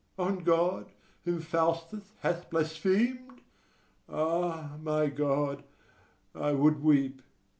on God, whom Faustus hath blasphemed! Ah, my God, I would weep!